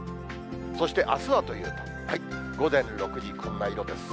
そして、あすはというと、午前６時、こんな色です。